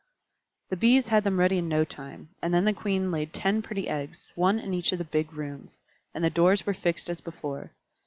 The Bees had them ready in no time, and then the Queen laid ten pretty eggs, one in each of the big rooms, and the doors were fixed as before.